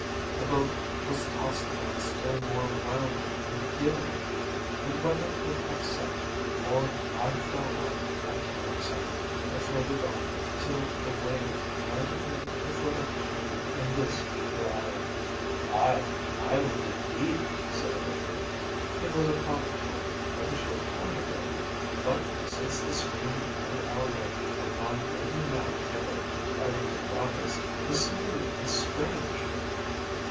The boat was tossed about still more wildly and giddily: and whether it upset, or I fell out, I cannot tell. I floated on, till a wave landed me at the foot of a tree, in this your island." "Ay, island indeed!" said the Fisherman. "It was a promontory but a short time ago. But, since the stream and our lake are gone raving mad together, everything about us is new and strange."